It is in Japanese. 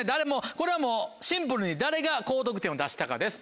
これはもうシンプルに誰が高得点を出したかです。